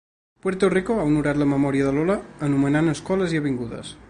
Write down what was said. Puerto Rico ha honorat la memòria de Lola anomenant escoles i avingudes.